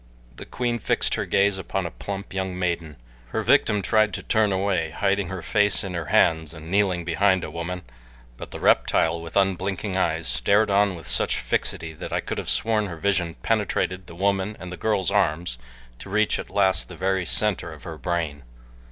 The queen fixed her gaze upon a plump young maiden. Her victim tried to turn away, hiding her face in her hands and kneeling behind a woman; but the reptile, with unblinking eyes, stared on with such fixity that I could have sworn her vision penetrated the woman, and the girl's arms to reach at last the very center of her brain.